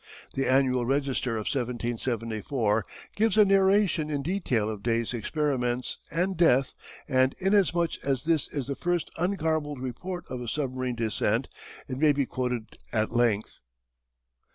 The Annual Register of 1774 gives a narration in detail of Day's experiments and death and inasmuch as this is the first ungarbled report of a submarine descent, it may be quoted at length.